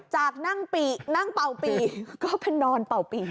จากนั่งปีนั่งเป่าปีก็เป็นนอนเป่าปีก